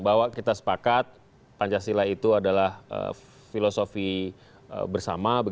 bahwa kita sepakat pancasila itu adalah filosofi bersama